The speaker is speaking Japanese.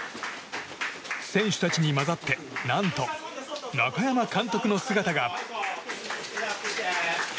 選手たちに混ざって何と中山監督の姿が。